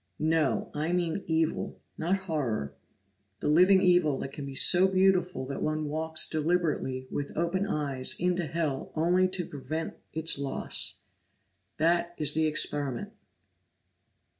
No; I mean evil, not horror the living evil that can be so beautiful that one walks deliberately, with open eyes, into Hell only to prevent its loss. That is the experiment."